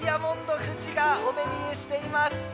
富士がお目見えしています。